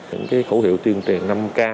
những cái khẩu hiệu tuyên truyền năm k